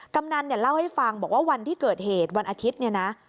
กำนันเนี่ยเล่าให้ฟังบอกว่าวันที่เกิดเหตุวันอาทิตย์เนี่ยนะ